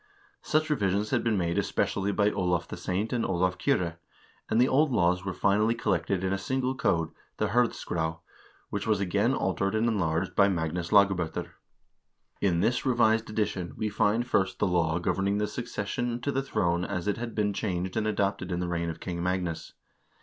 Such revisions had been made especially by Olav the Saint and Olav Kyrre, and the old laws were finally collected in a single code, the "HirtSskra," which was again altered and enlarged by Magnus Lagab0ter. In this revised edition we find first the law governing the succession to the throne as it had been changed and adopted in the reign of King Magnus.